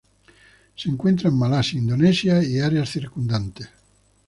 Se encuentran en Malasia, Indonesia y áreas circundantes.